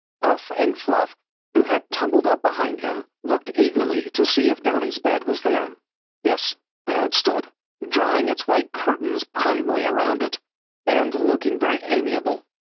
Puff and Fluff, who had tumbled up behind him, looked eagerly to see if Downy's bed was there. Yes, there it stood, drawing its white curtains primly round it, and looking very amiable.